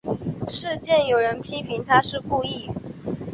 事件有人批评她是故意。